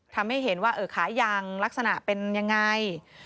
ทำให้เห็นว่าขายังลักษณะเป็นยังไง